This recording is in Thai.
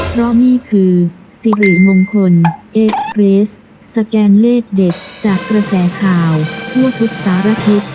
เพราะนี่คือสิริมงคลเอสเกรสสแกนเลขเด็ดจากกระแสข่าวทั่วทุกสารทิศ